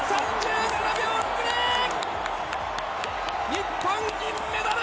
日本、銀メダル！